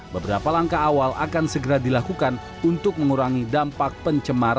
beberapa langkah awal akan segera dilakukan untuk mengurangi dampak pencemaran